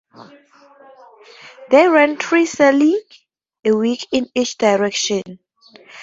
They ran three sailings a week in each direction.